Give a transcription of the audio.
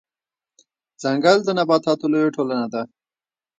ځنګل د نباتاتو لويه ټولنه ده